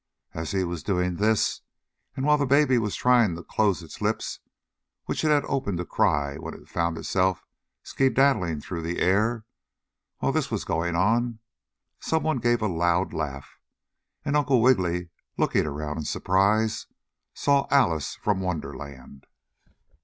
And, as he was doing this, and while the Baby was trying to close its lips, which it had opened to cry with when it found itself skedaddling through the air while this was going on, some one gave a loud laugh, and Uncle Wiggily, looking around in surprise, saw Alice from Wonderland.